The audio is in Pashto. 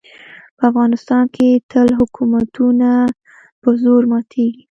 په افغانستان کې تل حکومتونه په زور ماتېږي.